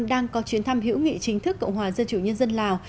đang có chuyến thăm hữu nghị chính thức cộng hòa dân chủ nhân dân lào